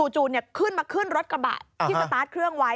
จู่ขึ้นมาขึ้นรถกระบะที่สตาร์ทเครื่องไว้